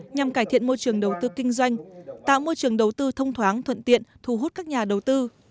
nhằm cải thiện môi trường đầu tư kinh doanh tạo môi trường đầu tư thông thoáng thuận tiện thu hút các nhà đầu tư